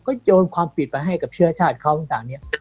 ก็โยนความผิดไปให้กับเชื้อชาติเขาต่างเนี่ย